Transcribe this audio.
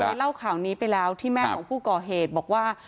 เล่าข่าวนี้ไปแล้วที่แม่ของผู้ก่อเหตุบอกว่า